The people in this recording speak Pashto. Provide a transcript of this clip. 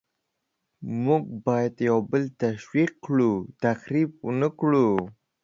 موږ باید یو بل تشویق کړو، تخریب ونکړو.